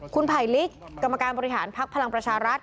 คุณไผลลิกกรรมการบริหารภักดิ์พลังประชารัฐ